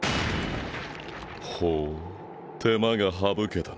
ほう手間が省けたな。